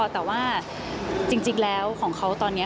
แต่ว่าจริงแล้วของเขาตอนนี้